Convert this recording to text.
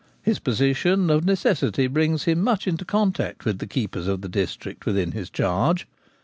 His position of necessity brings him much into contact with the keepers of the district within his charge.